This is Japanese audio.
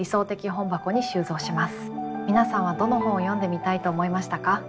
皆さんはどの本を読んでみたいと思いましたか？